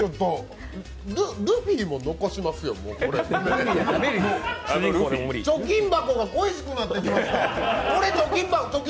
ルフィも残しますよ、貯金箱が恋しくなってきました。